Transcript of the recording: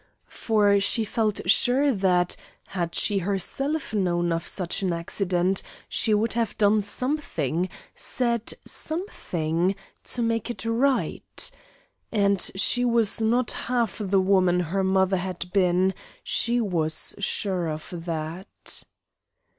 For she felt sure that had she herself known of such an accident she would have done something, said something, to make it right. And she was not half the woman her mother had been, she was sure of that.